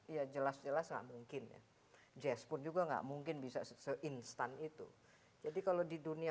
ya jelas jelas nggak mungkin ya jazz pun juga nggak mungkin bisa seinstan itu jadi kalau di dunia